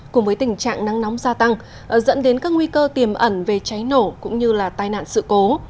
cùng với tình trạng nắng nóng gia tăng dẫn đến các nguy cơ tiềm ẩn về cháy nổ cũng như là tai nạn sự cố